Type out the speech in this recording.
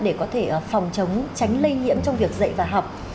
để có thể phòng chống tránh lây nhiễm trong việc dạy và học